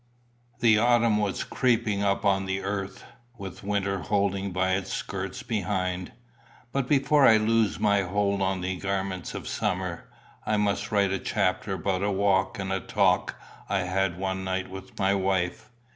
The autumn was creeping up on the earth, with winter holding by its skirts behind; but before I loose my hold of the garments of summer, I must write a chapter about a walk and a talk I had one night with my wife.